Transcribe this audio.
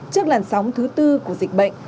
trước làn sóng thứ tư của dịch bệnh